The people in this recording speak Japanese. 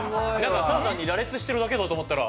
ただ単に羅列してるだけかと思ったら。